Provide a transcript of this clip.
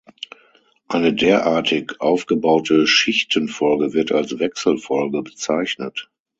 Eine derartig aufgebaute Schichtenfolge wird als Wechselfolge bezeichnet.